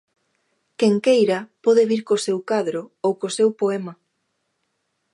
Quen queira pode vir co seu cadro ou co seu poema.